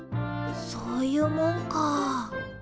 そういうもんかあ。